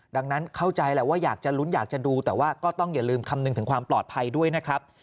ดังนั้นเข้าใจแหละว่าอยากจะลุ้นอยากจะดูแต่ว่าก็ต้องอย่าลืมคำนึงถึงความปลอดภัยด้วยนะครับ